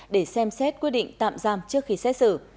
để xem xét quyết định tạm giam trước khi xét xử